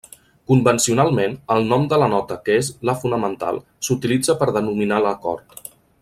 Convencionalment, el nom de la nota que és la fonamental s'utilitza per denominar l'acord.